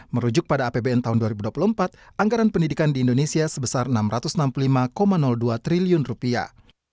merujuk pada apbn tahun dua ribu dua puluh empat anggaran pendidikan di indonesia sebesar enam ratus enam puluh lima dua triliun rupiah